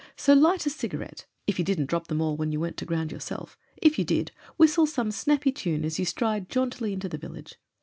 So light a cigarette — ^if you didn't drop them all when you went to ground yourself; if you did — whistle some snappy tune as you stride jauntily into the village.